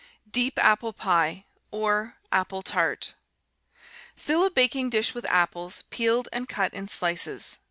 Deep Apple Pie, or Apple Tart Fill a baking dish with apples, peeled and cut in slices.